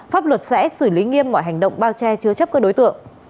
pháp luật sẽ xử lý nghiêm mọi hành động bao che chứa chấp các đối tượng